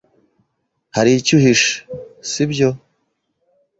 Hari icyo uhishe, sibyo?